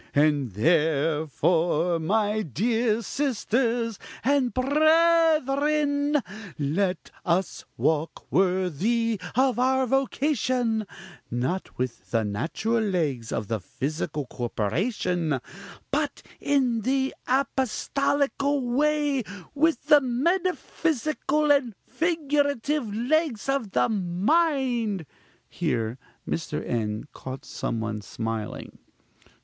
"And, therefore, my dear sisters and brethren, let us walk worthy of our vocation; not with the natural legs of the physical corporation, but in the apostolical way, with the metaphysical and figurative legs of the mind (here Mr. N. caught some one smiling).